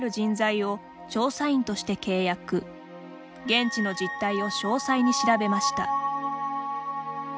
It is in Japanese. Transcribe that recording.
現地の実態を詳細に調べました。